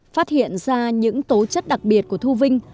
phát hiện ra những tố chất đặc biệt của thu vinh